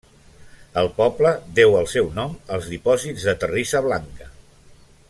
El poble deu el seu nom als dipòsits de terrissa blanca.